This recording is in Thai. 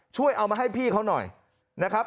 ช่วยเอามาให้พี่เขาหน่อยนะครับ